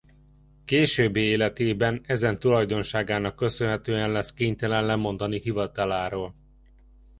Későbbi életében ezen tulajdonságának köszönhetően lesz kénytelen lemondani hivataláról.